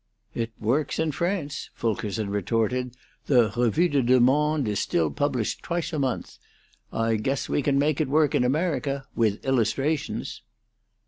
"It works in France," Fulkerson retorted. "The 'Revue des Deux Mondes' is still published twice a month. I guess we can make it work in America with illustrations."